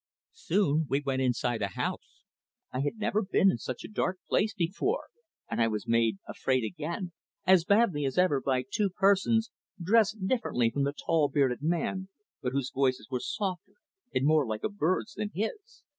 Soon we went inside a house. I had never been in such a dark place before, and I was made afraid again, as badly as ever, by two persons, dressed differently from the tall, bearded man, but whose voices were softer and more like a bird's than his.